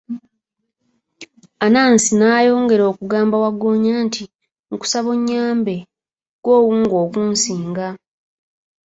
Anansi n'ayongera okugamba wagggoonya nti, nkusaba onyambe, ggwe owunga okunsinga.